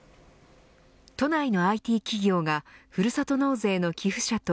都内のＩＴ企業がふるさと納税の寄付者と